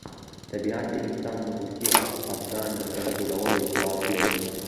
طبیعت د انسان د غوسې او خپګان د کنټرولولو ځواک لري.